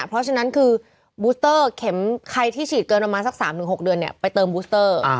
เพราะฉะนั้นคือบูสเตอร์เข็มใครที่ฉีดเกินประมาณสัก๓๖เดือนเนี่ยไปเติมบูสเตอร์